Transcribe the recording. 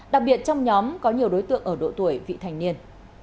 đặc biệt trong nhóm có nhiều đối tượng ở độ tuổi vị thành niên